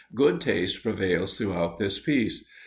Good taste prevails throughout this piece.